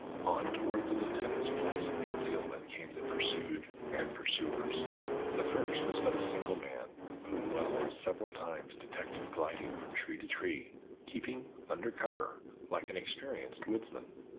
On toward the lieutenant's place of concealment came the pursued and pursuers. The first was but a single man, whom Wells several times detected gliding along from tree to tree, keeping "under cover" like an experienced woodsman.